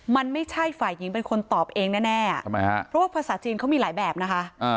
มันไม่ใช่ฝ่ายหญิงเป็นคนตอบเองแน่เพราะว่าภาษาจีนเขามีหลายแบบนะคะ